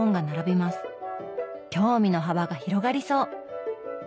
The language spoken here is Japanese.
興味の幅が広がりそう！